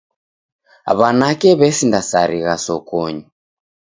W'anake w'esindasarigha sokonyi.